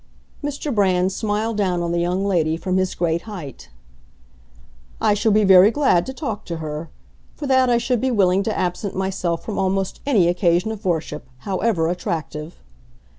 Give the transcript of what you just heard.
Mr. Brand smiled down on the young lady from his great height. "I shall be very glad to talk to her. For that I should be willing to absent myself from almost any occasion of worship, however attractive."